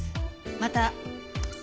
また。